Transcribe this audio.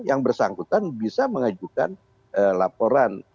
yang bersangkutan bisa mengajukan laporan